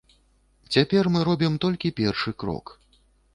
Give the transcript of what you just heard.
Цяпер мы робім толькі першы крок.